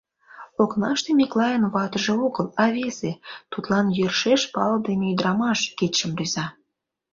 Окнаште Миклайын ватыже огыл, а весе, тудлан йӧршеш палыдыме ӱдырамаш, кидшым рӱза.